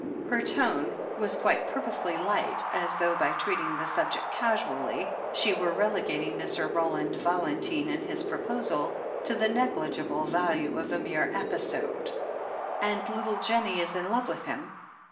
Her tone was quite purposely light, as though by treating the subject casually she were relegating Mr. Roland Valentine and his proposal to the negligible value of a mere episode. "And little Jennie is in love with him?"